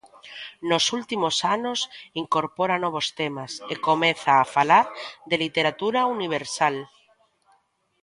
Nos últimos anos incorpora novos temas e comeza a falar de literatura universal.